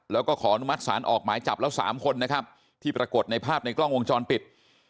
แล้วก็ขออนุมัติศาลออกหมายจับแล้ว๓คนนะครับที่ปรากฏในภาพในกล้องวงจรปิด